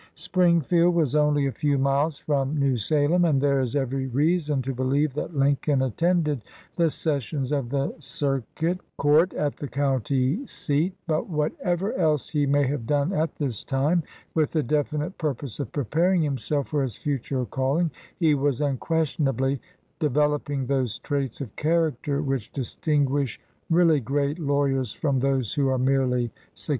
Springfield was only a few miles from New Salem and there is every reason to believe that Lincoln attended the sessions of the circuit &&ZS AUTOGRAPH OF BOWLING GREEN court at the county seat; but whatever else he may have done at this time with the definite pur pose of preparing himself for his future calling, he was unquestionably developing those traits of character which distinguish really great law yers from those who are merely successful.